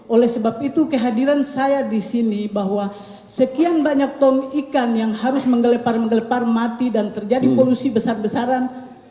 oleh sebab itu kehadiran saya di sini bahwa sekian banyak tom ikan yang harus menggelepar menggelepar mati dan terjadi polusi besar besaran